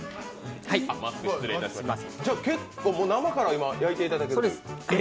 結構生から焼いていただける？